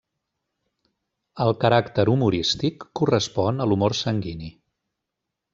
El caràcter humorístic correspon a l'humor sanguini.